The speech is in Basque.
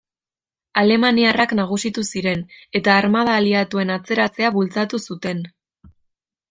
Alemaniarrak nagusitu ziren eta armada aliatuen atzeratzea bultzatu zuten.